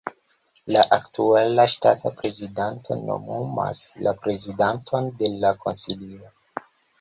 La aktuala ŝtata prezidanto nomumas la prezidanton de la konsilio.